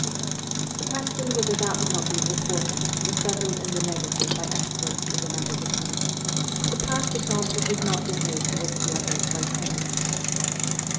The question whether that would not be ' reporting ' was settled in the negative by experts in matters of honour : the pages de chambre did not behave towards the others like comrades.